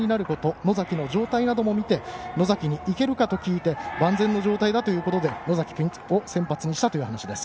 野崎の状態なども見て、野崎にいけるかと聞いて万全の状態だということで野崎を先発にしたということです。